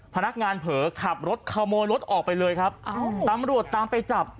พนักงานเผลอขับรถขโมยรถออกไปเลยครับตำรวจตามไปจับ